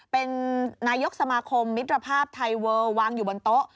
เป็นนายกสมาคมมิตรภาพไทยเวิลวางอยู่บนโต๊ะ